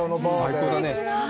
最高だね。